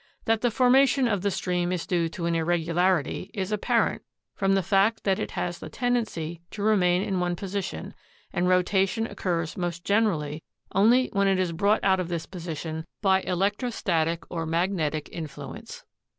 That the for mation of the stream is due to an irregu larity is apparent from the fact that it has the tendency to remain in one position, and rotation occurs most generally only when it is brought out of this position by electrostatic or magnetic influence.